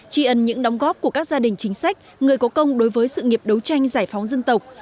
tri ân những đóng góp của các gia đình chính sách người có công đối với sự nghiệp đấu tranh giải phóng dân tộc